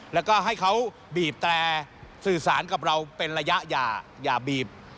แล้วก็ให้เขาบีบแตรสื่อสารกับเราเป็นระยะอย่าอย่าบีบ